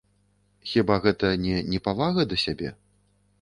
Хіба гэта не непавага да сябе?